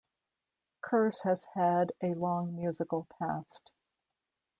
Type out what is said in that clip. Curse has had a long musical past.